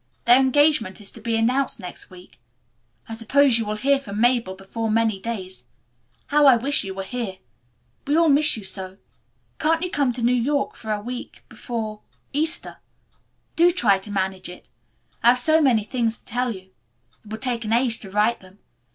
Their engagement is to be announced next week. I suppose you will hear from Mabel before many days. How I wish you were here. We all miss you so. Can't you come to New York for a week end before Easter? Do try to arrange it. I have so many things to tell you. It would take an age to write them.